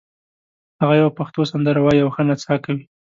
هغه یوه پښتو سندره وایي او ښه نڅا کوي